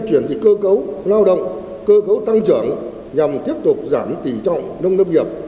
chuyển dịch cơ cấu lao động cơ cấu tăng trưởng nhằm tiếp tục giảm tỉ trọng nông nông nghiệp